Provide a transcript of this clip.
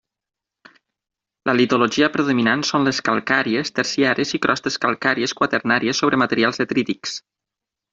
La litologia predominant són les calcàries terciàries i crostes calcàries quaternàries sobre materials detrítics.